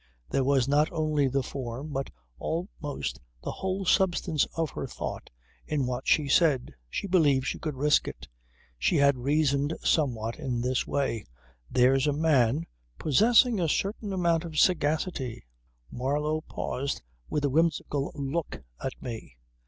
There was not only the form but almost the whole substance of her thought in what she said. She believed she could risk it. She had reasoned somewhat in this way; there's a man, possessing a certain amount of sagacity ..." Marlow paused with a whimsical look at me.